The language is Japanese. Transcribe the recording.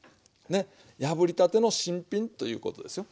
破りたての新品ということですよ。